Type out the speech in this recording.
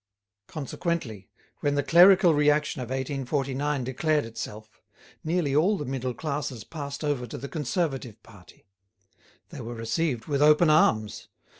Consequently, when the Clerical reaction of 1849 declared itself, nearly all the middle classes passed over to the Conservative party. They were received with open arms.